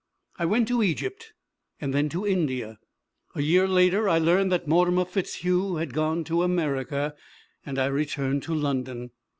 "I went to Egypt, and then to India. A year later I learned that Mortimer FitzHugh had gone to America, and I returned to London.